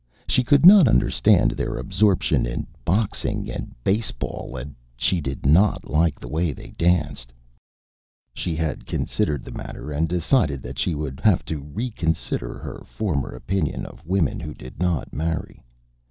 She could not understand their absorption in boxing and baseball and she did not like the way they danced. She had considered the matter and decided that she would have to reconsider her former opinion of women who did not marry.